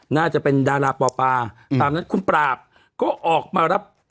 น่าจะเป็นดาราปอปาตามนั้นคุณปราบก็ออกมารับ